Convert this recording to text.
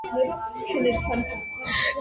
თავისუფლებას მოწყურებული ლომა სოფლისკენ გარბის.